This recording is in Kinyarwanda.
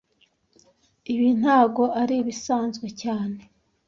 Ibi ntago ari ibisanzwe cyane